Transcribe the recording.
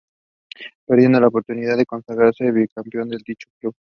Perdiendo la oportunidad de consagrarse bicampeón con dicho club.